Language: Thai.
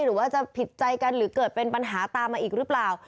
หรือว่าจะผิดใจกันหรือเกิดเป็นปัญหาตามมาอีกหรือเปล่า